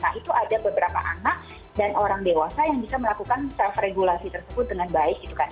nah itu ada beberapa anak dan orang dewasa yang bisa melakukan self regulasi tersebut dengan baik gitu kan